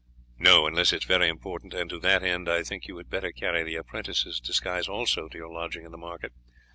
"No, unless it is very important; and to that end I think you had better carry the apprentice's disguise also to your lodging in the market.